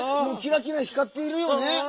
もうきらきらひかっているよね！